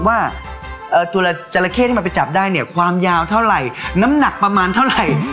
ไม่เชื่อถามคุณหลุยสิครับว่าที่ผมพูดทั้งหมดเนี่ย